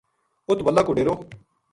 اُت وَلا کو ڈیرو